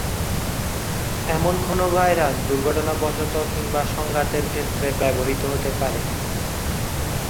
এমন কোনো ভাইরাস দুর্ঘটনাবশত কিংবা সংঘাতের ক্ষেতে ব্যবহৃত হতে পারে।